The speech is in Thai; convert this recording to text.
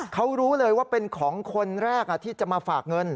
เขารู้เลยว่าเป็นของคนแรกที่จะมาฝากเงิน